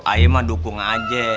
ayo mah dukung aja